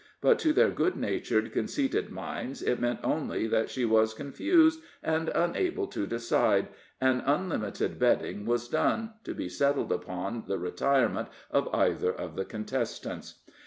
But to their good natured, conceited minds it meant only that she was confused, and unable to decide, and unlimited betting was done, to be settled upon the retirement of either of the contestants.